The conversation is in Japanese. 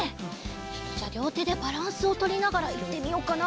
ちょっとじゃありょうてでバランスをとりながらいってみようかな。